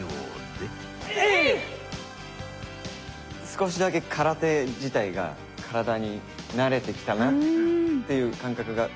少しだけ空手自体が体に慣れてきたなっていう感覚が。